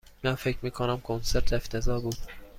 من فکر می کنم کنسرت افتضاح بود.